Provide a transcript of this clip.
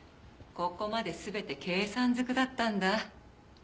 ここまで全て計算ずくだったんだ。